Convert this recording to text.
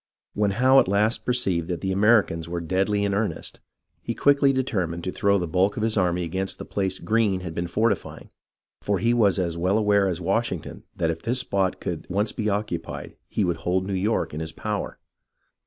When Howe at last perceived that the Americans were deadly in earnest, he quickly determined to throw the bulk of his army against the place Greene had been fortifying, for he was as well aware as Washington that if this spot could once be occupied he would hold New York in his power.